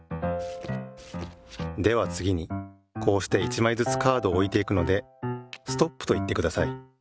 ではつぎにこうして１まいずつカードをおいていくので「ストップ」といってください。